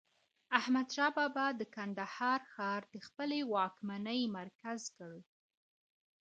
احمد شاه بابا د کندهار ښار د خپلي واکمنۍ مرکز کړ.